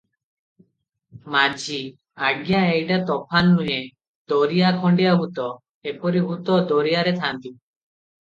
ମାଝି- ଆଜ୍ଞା, ଏଟା ତୋଫାନ ନୁହେଁ, ଦରିଆ ଖଣ୍ଡିଆ ଭୂତ, ଏପରି ଭୂତ ଦରିଆରେ ଥାନ୍ତି ।